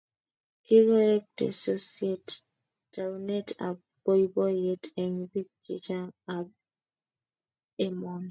Kikoek teksosiet taunet ab boiboyet eng bik che chang ab emoni